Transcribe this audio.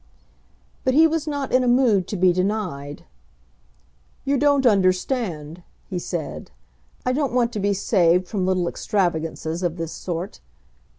But he was not in a mood to be denied. "You don't understand," he said. "I don't want to be saved from little extravagances of this sort.